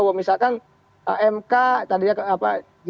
itu kan indikasi indikasi katakanlah dukungan dukungan kuat jokowi kepada pak prabowo